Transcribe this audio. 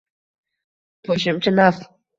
– qo‘shimcha naf.